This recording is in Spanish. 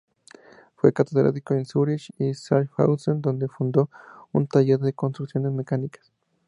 Fue catedrático en Zúrich y Schaffhausen, donde fundó un taller de construcciones mecánicas.